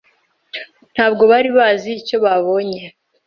Ntabwo bari bazi icyo babonye.